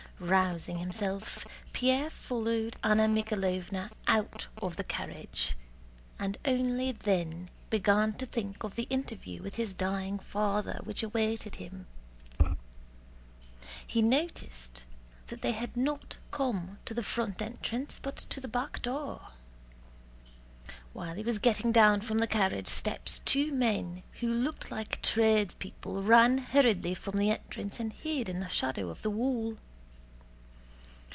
Rousing himself, Pierre followed Anna Mikháylovna out of the carriage, and only then began to think of the interview with his dying father which awaited him. He noticed that they had not come to the front entrance but to the back door. While he was getting down from the carriage steps two men, who looked like tradespeople, ran hurriedly from the entrance and hid in the shadow of the wall.